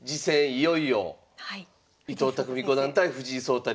いよいよ伊藤匠五段対藤井聡太